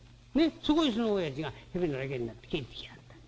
そこへそのおやじがへべのれけになって帰ってきやがった」。